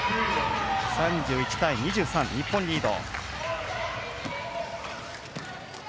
３１対２３、日本リード。